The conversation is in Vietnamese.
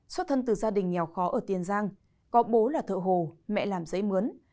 xuất thân từ gia đình nghèo khó ở tiền giang có bố là thợ hồ mẹ làm giấy mướn